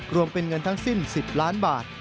รวมเป็นเงินทั้งสิ้น๑๐ล้านบาท